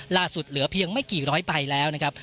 เหลือเพียงไม่กี่ร้อยใบแล้วนะครับ